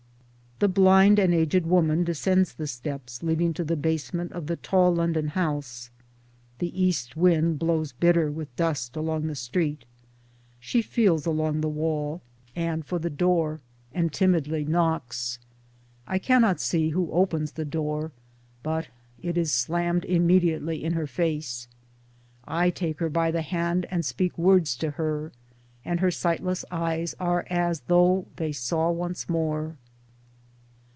The blind and aged woman descends the steps leading to the basement of the tall London house ; the east wind blows bitter with dust along the street; she feels along the wall, and for the door, and timidly knocks. I cannot see who opens the door, but it is slammed immediately in her face. I take her by the hand and speak words to her, and her sightless eyes are as though they saw once more.